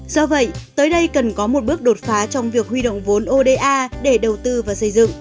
do vậy tới đây cần có một bước đột phá trong việc huy động vốn oda để đầu tư và xây dựng